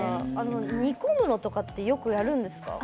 煮込むのってよくやるんですか？